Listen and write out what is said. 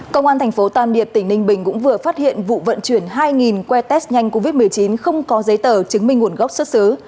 công an thành phố tam điệp tỉnh ninh bình cũng vừa phát hiện vụ vận chuyển hai quay test nhanh covid một mươi chín không có giấy tờ chứng minh nguồn gốc xuất xứ